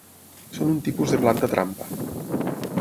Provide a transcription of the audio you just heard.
Són un tipus de planta trampa.